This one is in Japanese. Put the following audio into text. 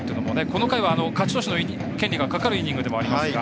この回は勝ち投手の権利がかかるイニングでもありますが。